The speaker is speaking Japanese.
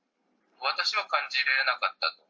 私は感じられなかった。